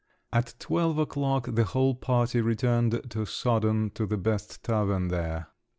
At twelve o'clock the whole party returned to Soden to the best tavern there.